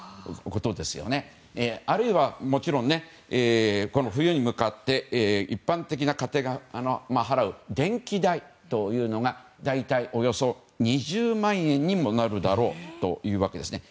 あるいはもちろんこの冬に向かって一般的な家庭が払う電気代というのが大体およそ２０万円にもなるだろうというわけですね。